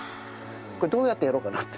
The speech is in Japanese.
これどうやってやろうかなって。